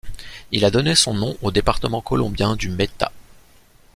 Il a donné son nom au département colombien du Meta.